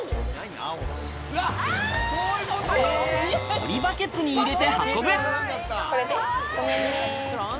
ポリバケツに入れて運ぶ。